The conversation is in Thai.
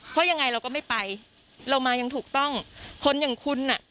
เพราะยังไงเราก็ไม่ไปเรามาอย่างถูกต้องคนอย่างคุณอ่ะ